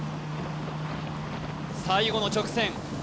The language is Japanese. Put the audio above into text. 最後の直線